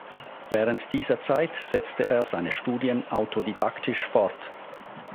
Während dieser Zeit setzte er seine Studien autodidaktisch fort.